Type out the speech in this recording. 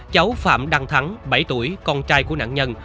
cháu phạm đăng thắng bảy tuổi con trai của nạn nhân